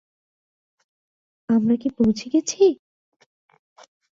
আমরা কি পৌঁছে গেছি?